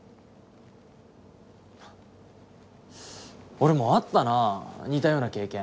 俺もあったな似たような経験。